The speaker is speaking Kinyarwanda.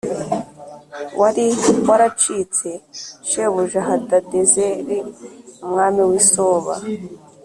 wari yaracitse shebuja Hadadezeri umwami w’i Soba